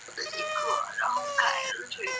绿色变齿藓为木灵藓科变齿藓属下的一个种。